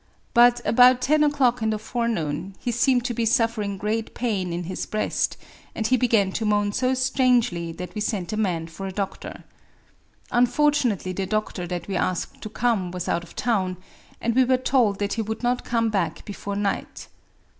But, about ten o'clock in the forenoon, he seemed to be suffering great pain in his breast; and he began to moan so strangely that we sent a man for a doctor. Un fortunately the doctor that we asked to come was out of town i and we were told that he would not come back be fore night.